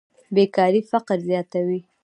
بېکاري فقر زیاتوي.